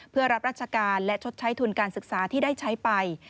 เพื่อรับราชการและชดใช้ทุนการศึกษาที่ได้ใช้ไป